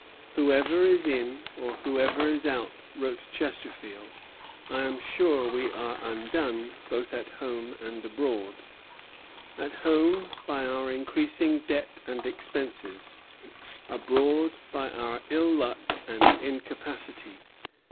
"Whoever is in or whoever is out," wrote Chesterfield, "I am sure we are undone both at home and abroad: at home by our increasing debt and expenses; abroad by our ill luck and incapacity.